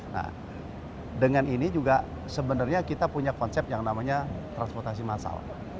nah dengan ini juga sebenarnya kita punya konsep yang namanya transportasi massal